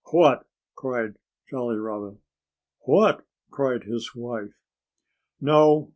"What?" cried Jolly Robin. "What?" cried his wife. "No!"